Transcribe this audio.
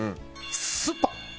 スパ！